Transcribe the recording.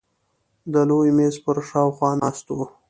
د لوی مېز پر شاوخوا ناست وو.